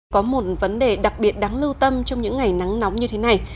có một vấn đề đặc biệt đáng lưu tâm trong những ngày nắng nóng như thế này